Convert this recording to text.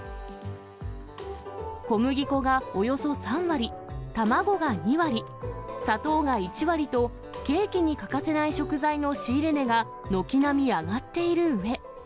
小麦粉がおよそ３割、卵が２割、砂糖が１割と、ケーキに欠かせない食材の仕入れ値が軒並み上がっているうえ。